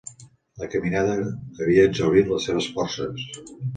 La caminada havia exhaurit les seves forces.